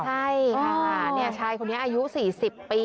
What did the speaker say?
ใช่ค่ะชายคนนี้อายุ๔๐ปี